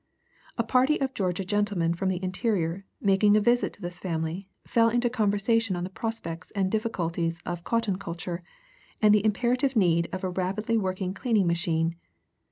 A party of Georgia gentlemen from the interior, making a visit to this family, fell into conversation on the prospects and difficulties of cotton culture and the imperative need of a rapidly working cleaning machine.